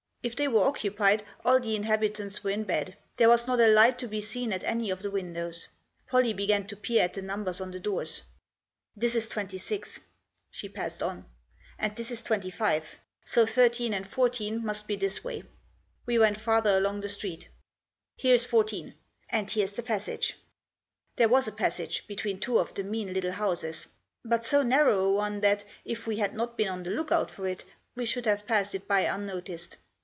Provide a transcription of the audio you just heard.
If they were occupied all the inhabitants were in bed. There was not a light to be seen at any of the windows. Pollie began to peer at the numbers on the doors. "This is 26." She passed on. " And this is 25; so 13 and 14 must be this way." We went farther along the street. " Here is 14 — and here's the passage." There was a passage, between two of the mean little houses. But so narrow an one that, if we had not been on the look out for it, we should have passed it by unnoticed.